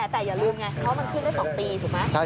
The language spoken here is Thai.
แต่อย่าลืมไงเพราะมันขึ้นได้๒ปีถูกไหม